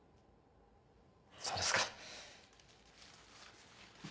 そうですか。